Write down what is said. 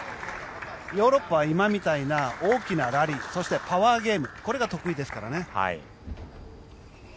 ヨーロッパは今みたいな大きなラリーそして、パワーゲームこれが得意ですからね。